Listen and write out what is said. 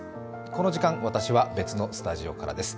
この時間、私は別のスタジオからです。